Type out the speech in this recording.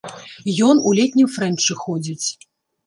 Ён у летнім фрэнчы ходзіць.